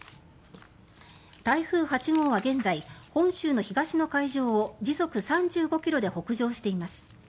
台風８号は現在本州の東の海上を時速３５ｋｍで北上しています。